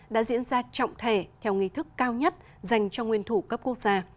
đã diễn ra trọng thể theo nghi thức cao nhất dành cho nguyên thủ cấp quốc gia